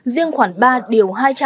riêng khoản ba điều hai trăm linh